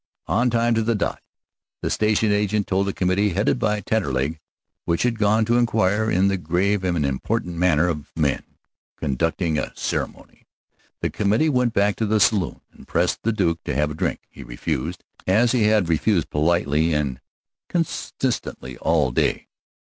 On time, to a dot, the station agent told the committee headed by Taterleg, which had gone to inquire in the grave and important manner of men conducting a ceremony. The committee went back to the saloon, and pressed the Duke to have a drink. He refused, as he had refused politely and consistently all day.